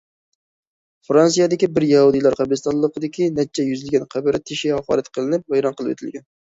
فىرانسىيەدىكى بىر يەھۇدىيلار قەبرىستانلىقىدىكى نەچچە يۈزلىگەن قەبرە تېشى ھاقارەت قىلىنىپ ۋەيران قىلىۋېتىلگەن.